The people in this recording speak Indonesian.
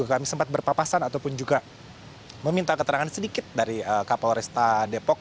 kami sempat berpapasan ataupun juga meminta keterangan sedikit dari kapolresta depok